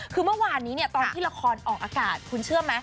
คือเมื่อวานนี้ตอนที่ละครออกอากาศคุณเชื่อไหม